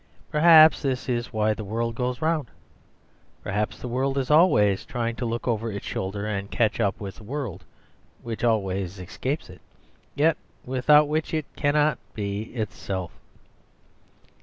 Perhaps this is why the world goes round. Perhaps the world is always trying to look over its shoulder and catch up the world which always escapes it, yet without which it cannot be itself.